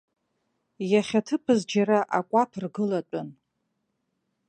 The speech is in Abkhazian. Иахьаҭыԥыз џьара акәаԥ ргылатәын.